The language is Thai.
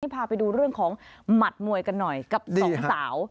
พาไปดูเรื่องของหมัดมวยกันหน่อยกับสองสาว